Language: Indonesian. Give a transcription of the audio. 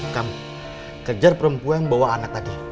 kamu kejar perempuan bawa anak tadi